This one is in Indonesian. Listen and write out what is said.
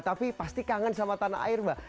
tapi pasti kangen sama tanah air mbak